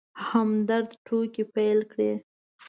همدرد ټوکې پيل کړې.